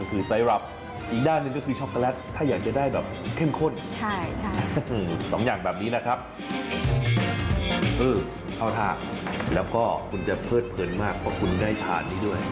แค่นี้คุณจะเพิดเผือนมากเพราะคุณได้หาดนี้ด้วย